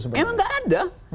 emang tidak ada